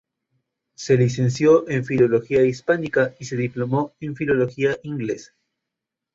Se licenció en Filología Hispánica y se diplomó en Filología Inglesa.